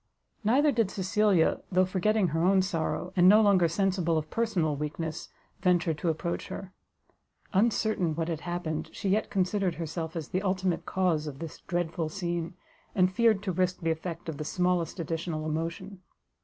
Neither did Cecilia, though forgetting her own sorrow, and no longer sensible of personal weakness, venture to approach her: uncertain what had happened, she yet considered herself as the ultimate cause of this dreadful scene, and feared to risk the effect of the smallest additional emotion.